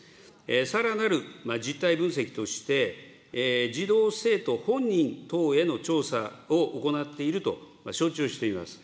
さらなる実態分析として、児童・生徒本人等への調査を行っていると承知をしています。